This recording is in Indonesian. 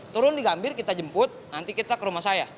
turun di gambir kita jemput nanti kita ke rumah saya